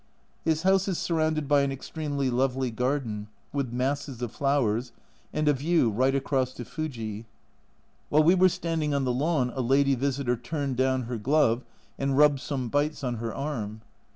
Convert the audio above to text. His house is surrounded by an extremely lovely garden, with masses of flowers, and a view right across to Fujis. While we were standing on the lawn a lady visitor turned down her glove and rubbed some bites on her arm.